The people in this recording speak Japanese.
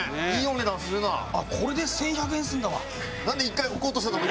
これで１１００円するんだわ。